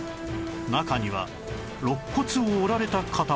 中には肋骨を折られた方も